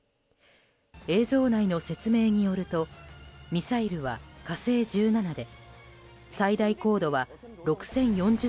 映像内の説明によるとミサイルは「火星１７」で最大高度は６０４０．９ｋｍ。